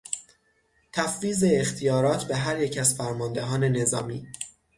تفویض اختیارات به هر یک از فرماندهان نظامی